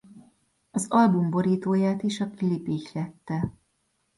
Az album borítóját is a klip ihlette.